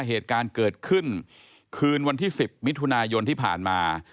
เหตุการณ์เกิดขึ้นคืนวันที่๑๐มิถุนายนที่ผ่านมา